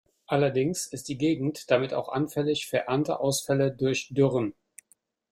Allerdings ist die Gegend damit auch anfällig für Ernteausfälle durch Dürren.